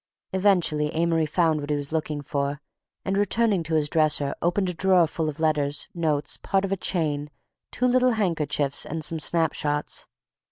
Eventually Amory found what he was looking for and, returning to his dresser, opened a drawer full of letters, notes, part of a chain, two little handkerchiefs, and some snap shots.